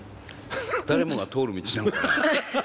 誰もが通る道なのかな。